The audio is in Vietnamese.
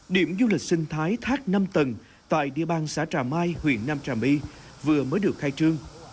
điểm du lịch sinh thái thác năm tầng tại địa bàn xã trà mai huyện nam trà my vừa mới được khai trương